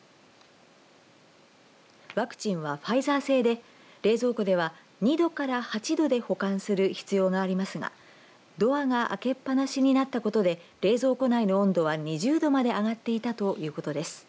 ワクチンはファイザー製で冷蔵庫では２度から８度で保管する必要がありますがドアが開けっ放しになったことで冷蔵庫内の温度は２０度まで上がっていたということです。